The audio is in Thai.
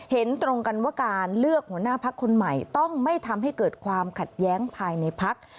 เห็นตรงกันว่าการเลือกหัวหน้าพักคนใหม่ต้องไม่ทำให้เกิดความขัดแย้งภายในพัก